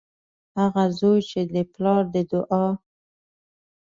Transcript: هغه زوی چې د پلار د دعا